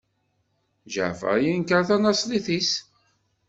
Ǧaɛfeṛ yenkeṛ tanaṣlit-is.